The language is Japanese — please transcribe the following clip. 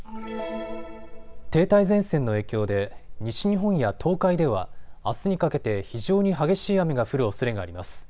停滞前線の影響で西日本や東海ではあすにかけて非常に激しい雨が降るおそれがあります。